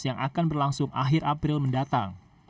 yang akan berlangsung akhir april mendatang